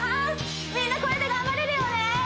みんなこれで頑張れるよね！